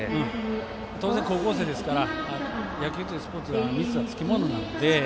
当然高校生ですから野球っていうスポーツはミスはつきものなので。